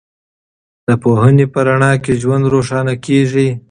د پوهنې په رڼا کې ژوند روښانه کېږي.